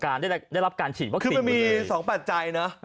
การได้แล้วก็ได้รับแบบการฉีดก็คือมีสองปัจจัยนะ